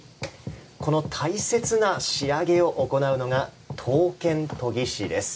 この大切な仕上げを行うのが刀剣研ぎ師です。